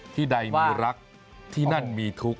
ที่ใดมีรักที่นั่นมีทุกข์